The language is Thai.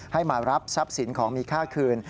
ให้มารับทรัพย์สินของมีค่าคืน